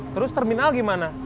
terus terminal gimana